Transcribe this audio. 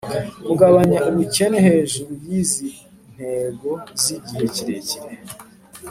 kugabanya ubukene hejuru y'izi ntego z'igihe kirekire,